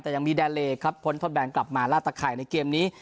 แต่ยังมีแดนเลครับพ้นทดแบนกลับมาลาดตะข่ายในเกมนี้